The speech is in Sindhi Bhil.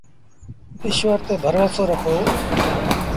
ايٚشور تي ڀروسو رکو۔